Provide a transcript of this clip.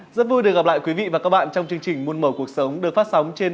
em rất vui được gặp lại quý vị và các bạn trong chương trình muôn màu cuộc sống được phát sóng trên